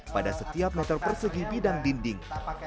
pada setiap meter persegi bidang dinding